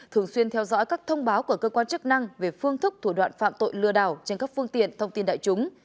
thường xuyên theo dõi các thông báo của cơ quan chức năng về phương thức thủ đoạn phạm tội lừa đảo trên các phương tiện thông tin đại chúng